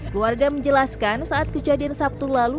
keluarga menjelaskan saat kejadian sabtu lalu